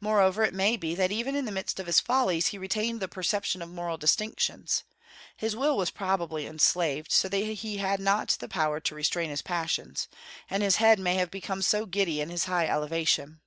Moreover, it may be that even in the midst of his follies he retained the perception of moral distinctions. His will was probably enslaved, so that he had not the power to restrain his passions, and his head may have become giddy in his high elevation.